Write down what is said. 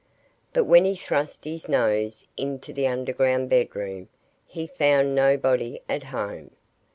And when he thrust his nose into the underground bedroom he found nobody at home.